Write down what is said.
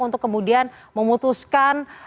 untuk kemudian memutuskan